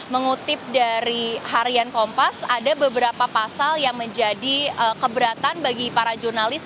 mengutip dari harian kompas ada beberapa pasal yang menjadi keberatan bagi para jurnalis